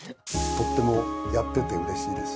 とってもやってて嬉しいです